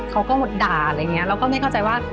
เขาก็อดด่าอะไรอย่างนี้เราก็ไม่เข้าใจว่า